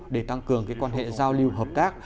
để tăng cường quan hệ giao lưu hợp tác